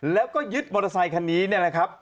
แล้วก็ยึดมอเตอร์ไซค์คันนี้นะครับ